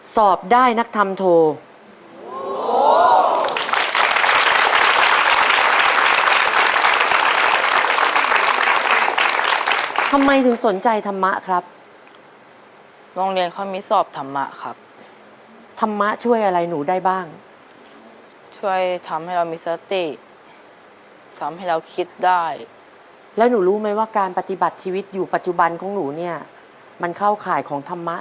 สอบได้นักธรรมโท